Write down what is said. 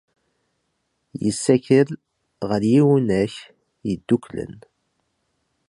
Yessakel ɣer Yiwunak Yeddukklen.